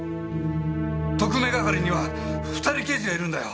特命係には２人刑事がいるんだよ！